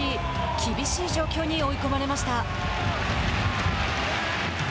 厳しい状況に追い込まれました。